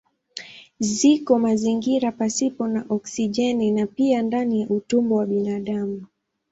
Ziko mazingira pasipo na oksijeni na pia ndani ya utumbo wa binadamu.